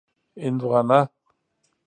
🍉 هندوانه